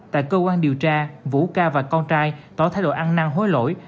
tại cơ quan điều tra vũ ca và con trai tỏ thái độ ăn năng hối lỗi